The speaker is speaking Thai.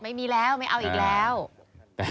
ไม่มีแล้วไม่เอาอีกแล้วแต่